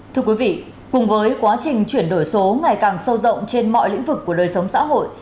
thưa quý vị cùng với quá trình chuyển đổi số ngày càng sâu rộng trên mọi lĩnh vực của đời sống xã hội